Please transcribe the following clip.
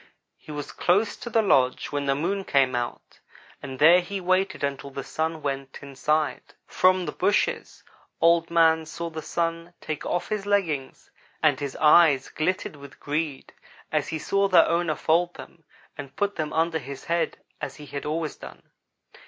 He was close to the lodge when the Moon came out, and there he waited until the Sun went inside. From the bushes Old man saw the Sun take off his leggings and his eyes glittered with greed as he saw their owner fold them and put them under his head as he had always done.